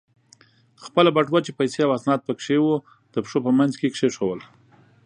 خپله بټوه چې پیسې او اسناد پکې و، د پښو په منځ کې کېښوول.